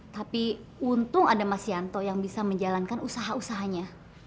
tapi untung ada mas yanto yang bisa menjalankan usaha usahanya